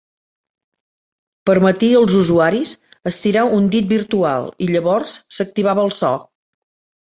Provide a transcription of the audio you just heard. Permetia als usuaris estirar un dit virtual, i llavors s'activava el so.